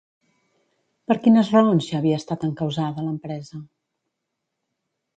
Per quines raons ja havia estat encausada, l'empresa?